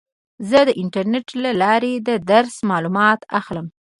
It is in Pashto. زه د انټرنیټ له لارې د درس معلومات اخلم.